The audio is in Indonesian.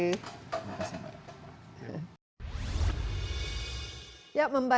terima kasih mbak